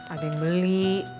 ada yang beli